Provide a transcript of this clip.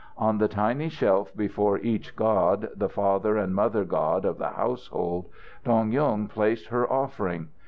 On the tiny shelf before each god, the father and mother god of the household, Dong Yung placed her offering.